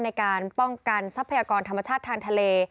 ในการป้องกันทรัพยากรธรรมชาติทางทะเล